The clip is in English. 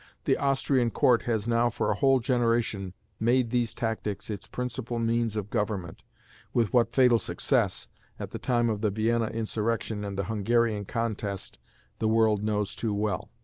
The Austrian court has now for a whole generation made these tactics its principal means of government, with what fatal success, at the time of the Vienna insurrection and the Hungarian contest the world knows too well.